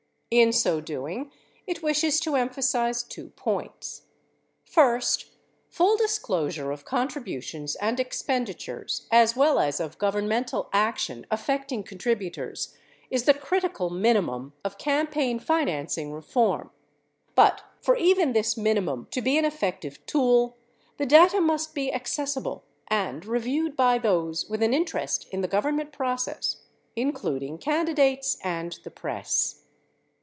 In so doing, it wishes to emphasize two points. First, full disclosure of contributions and expenditures as well as of governmental action affecting contributors is the critical minimum of campaign financing reform. But for even this minimum to be an effec tive tool, the data must, be accessible and reviewed by those with an interest in the Government process, including candidates and the press.